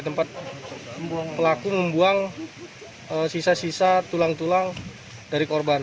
tempat pelaku membuang sisa sisa tulang tulang dari korban